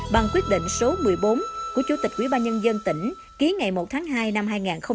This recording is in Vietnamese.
bằng quyết định số một mươi bốn của chủ tịch quỹ ba nhân dân tỉnh ký ngày một tháng hai năm hai nghìn tám